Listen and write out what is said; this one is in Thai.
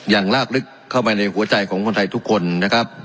ลากลึกเข้าไปในหัวใจของคนไทยทุกคนนะครับ